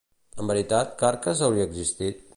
En veritat, Carcas hauria existit?